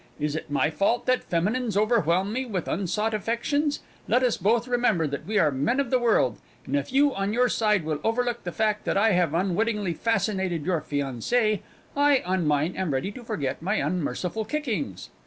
Is it my fault that feminines overwhelm me with unsought affections? Let us both remember that we are men of the world, and if you on your side will overlook the fact that I have unwittingly fascinated your fiancée, I, on mine, am ready to forget my unmerciful kickings."